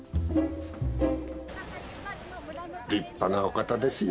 立派なお方ですよ。